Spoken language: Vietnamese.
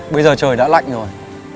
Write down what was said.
bây giờ trời đã lạnh rồi